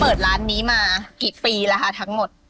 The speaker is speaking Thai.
เปิดร้านนี้มากี่ปีแล้วค่ะทั้งหมด